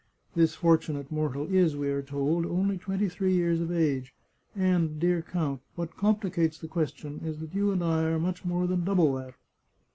This for tunate mortal is, we are told, only twenty three years of age, and, dear count, what complicates the question is that you and I are much more than double that.